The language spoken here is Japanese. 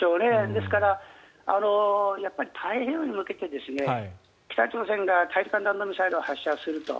ですからやっぱり太平洋に向けて北朝鮮が大陸間弾道ミサイルを発射すると。